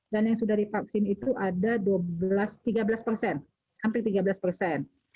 dan yang sudah dipaksin itu ada tiga belas persen hampir tiga belas persen